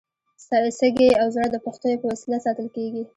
سږي او زړه د پښتیو په وسیله ساتل کېږي.